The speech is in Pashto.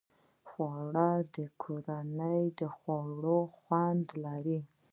خوړل د کورني خواړو خوند لري